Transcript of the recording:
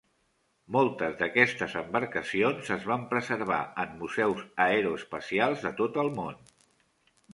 Moltes d'aquestes embarcacions es van preservar en museus aeroespacials de tot el món.